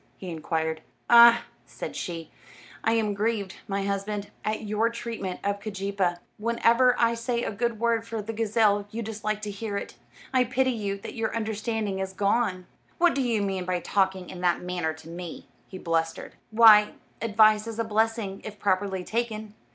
he inquired. "Ah," said she, "I am grieved, my husband, at your treatment of Keejeepaa. Whenever I say a good word for the gazelle you dislike to hear it. I pity you that your understanding is gone." "What do you mean by talking in that manner to me?" he blustered. "Why, advice is a blessing, if properly taken.